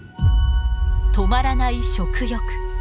止まらない食欲。